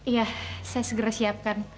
iya saya segera siapkan